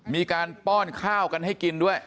มีการป้อนข้ากันให้กินด้วย